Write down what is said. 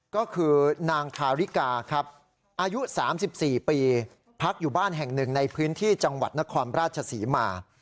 ก็คือนางชาริกาครับอายุ๓๔ปีพักอยู่บ้านแห่งหนึ่งในพื้นที่จังหวัดนครราชศรีมา